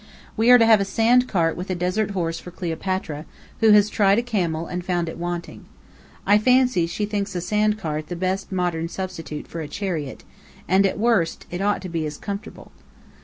We are to have a sandcart with a desert horse for Cleopatra, who has tried a camel and found it wanting. I fancy she thinks a sandcart the best modern substitute for a chariot; and at worst, it ought to be as comfortable.